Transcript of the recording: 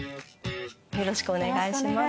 よろしくお願いします。